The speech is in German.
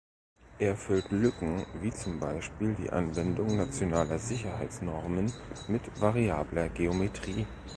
Er füllt Lücken wie zum Beispiel die Anwendung nationaler Sicherheitsnormen mit variabler Geometrie.